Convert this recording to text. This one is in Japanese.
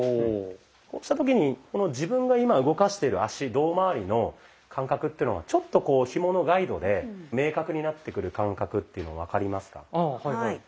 こうした時に自分が今動かしてる足胴まわりの感覚っていうのがちょっとひものガイドで明確になってくる感覚っていうの分かりますか？